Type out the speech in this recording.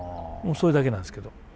それだけなんですけど。